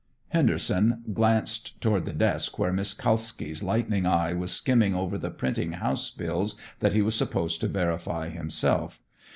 Henderson glanced toward the desk where Miss Kalski's lightning eye was skimming over the printing house bills that he was supposed to verify himself.